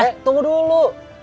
eh tunggu dulu